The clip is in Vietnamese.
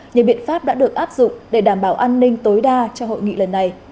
nhiều biện pháp đã được áp dụng để đảm bảo an ninh tối đa cho hội nghị lần này